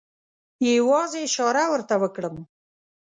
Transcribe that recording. یوازې اشاره ورته وکړم.